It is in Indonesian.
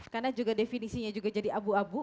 karena juga definisinya jadi abu abu